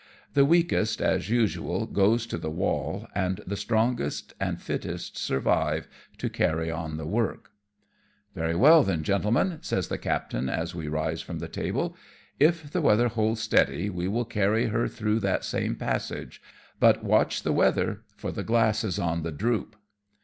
The weakest as usual goes to the wall, and the strongest and fittest survive to carry on the work." SCUDDING ACROSS A TYPHOON: 59 " Very well then, gentlemen," says the captain as we rise from the table, " if the weather holds steady, we will carry her through that same passage, but watch the weather, for the glass is on the droop."